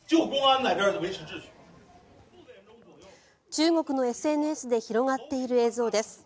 中国のＳＮＳで広がっている映像です。